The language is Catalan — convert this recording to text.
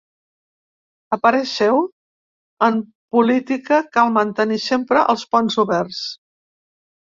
A parer seu, ‘en política cal mantenir sempre els ponts oberts’.